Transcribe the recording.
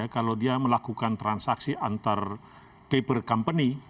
kalau dia melakukan transaksi antar paper company